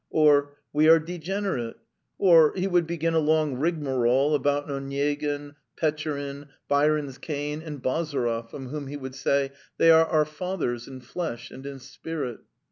or: 'We are degenerate. ...' Or he would begin a long rigmarole about Onyegin, Petchorin, Byron's Cain, and Bazarov, of whom he would say: 'They are our fathers in flesh and in spirit.'